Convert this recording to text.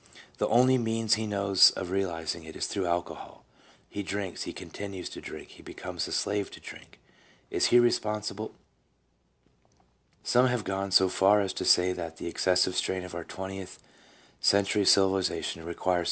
The only means he knows of realizing it is through alcohol ; he drinks, he continues to drink, he becomes a slave to drink; is he responsible? Some have gone so far as to say that the excessive strain of our twentieth century civilization requires stimulants; and man, as the only animal which uses 1 VV.